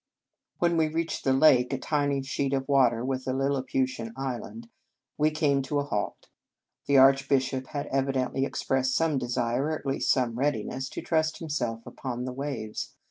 When we reached the lake, a tiny sheet of water with a Lilliputian island, we came to a halt. The Archbishop had evidently expressed some desire, or at least some readiness, to trust himself upon the waves.